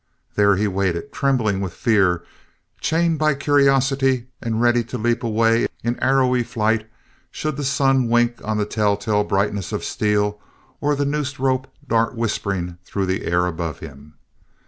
There he waited, trembling with fear, chained by curiosity, and ready to leap away in arrowy flight should the sun wink on the tell tale brightness of steel or the noosed rope dart whispering through the air above him.